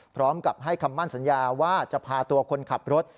พร้อมกับให้คำมั่นสัญญาว่าจะพาตัวคนขับรถ